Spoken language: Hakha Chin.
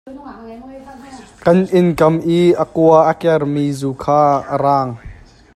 Kan inn kam i a kua a kermi zu kha a raang.